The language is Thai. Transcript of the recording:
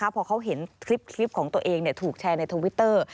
พอเขาเห็นคลิปของตัวเองถูกแชร์ในทวิตเตอร์